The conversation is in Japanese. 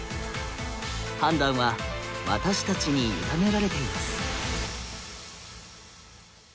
判断は私たちに委ねられています。